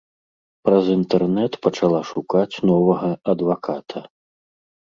Праз інтэрнэт пачала шукаць новага адваката.